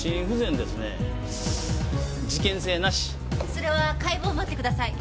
それは解剖を待ってください。